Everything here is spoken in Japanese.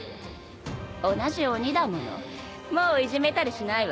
同じ鬼だものもういじめたりしないわ。